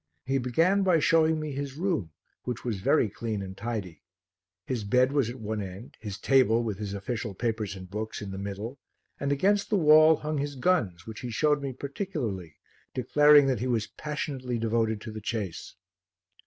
He began by showing me his room which was very clean and tidy. His bed was at one end, his table, with his official papers and books, in the middle and against the wall hung his guns which he showed me particularly, declaring that he was passionately devoted to the chase.